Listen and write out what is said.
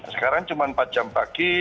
sekarang cuma empat jam pagi